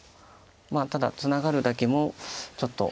まあただツナがるだけもちょっと。